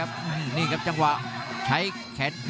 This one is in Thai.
รับทราบบรรดาศักดิ์